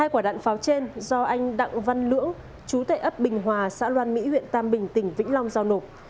hai quả đạn pháo trên do anh đặng văn lưỡng chú tệ ấp bình hòa xã loan mỹ huyện tam bình tỉnh vĩnh long giao nộp